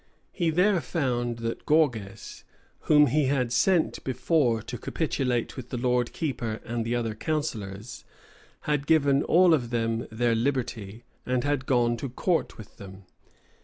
He there found that Gorges, whom he had sent before to capitulate with the lord keeper and the other counsellors, had given all of them their liberty, and had gone to court with them.